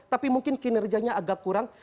tapi mungkin kinerjanya agak kurang